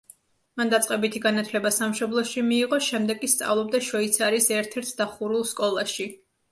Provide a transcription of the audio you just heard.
მან დაწყებითი განათლება სამშობლოში მიიღო, შემდეგ კი სწავლობდა შვეიცარიის ერთ-ერთ დახურულ სკოლაში.